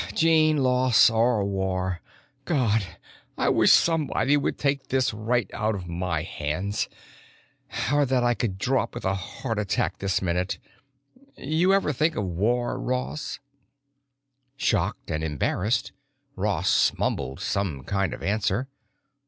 Gene loss or war. God, I wish somebody would take this right out of my hands—or that I could drop with a heart attack this minute. You ever think of war, Ross?" Shocked and embarrassed, Ross mumbled some kind of answer.